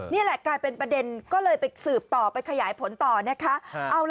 นี่แหละกลายเป็นประเด็นก็เลยไปสืบต่อไปขยายผลต่อนะคะ